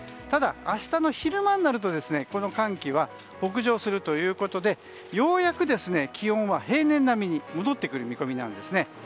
ただ明日の昼間になるとこの寒気は北上するということでようやく気温は平年並みに戻ってくる見込みです。